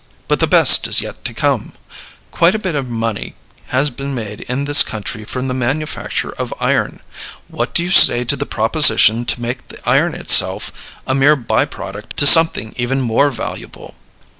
But the best is yet to come. Quite a little bit of money has been made in this country from the manufacture of iron. What do you say to the proposition to make the iron itself a mere by product to something even more valuable?